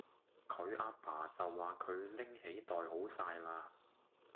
佢阿爸就話佢拎起袋好哂喇